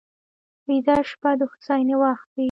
ویده شپه د هوساینې وخت وي